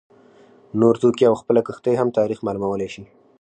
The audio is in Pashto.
نور توکي او خپله کښتۍ هم تاریخ معلومولای شي